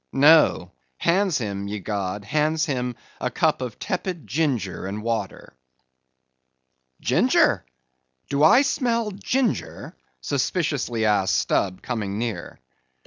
No! hands him, ye gods! hands him a cup of tepid ginger and water! "Ginger? Do I smell ginger?" suspiciously asked Stubb, coming near.